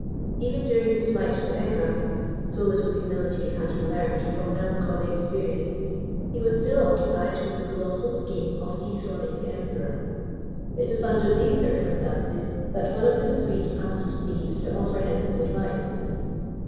Even during his flight to Egra (so little humility had he learned from melancholy experience) he was still occupied with the colossal scheme of dethroning the Emperor. It was under these circumstances, that one of his suite asked leave to offer him his advice.